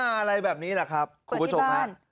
อะไรแบบนี้แหละครับคุณผู้ชมฮะ